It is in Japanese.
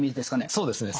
そうですね。